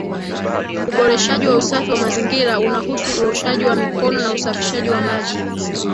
Uboreshaji wa usafi wa mazingira unahusu uoshaji wa mikono na ushafishaji wa maji